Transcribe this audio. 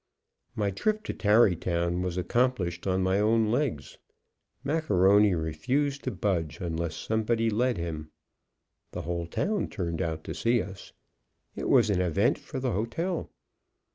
My trip to Tarrytown was accomplished on my own legs. Macaroni refused to budge unless somebody led him. The whole town turned out to see us; it was an event for the hotel.